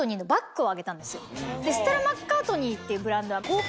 「ステラマッカートニー」っていうブランドは。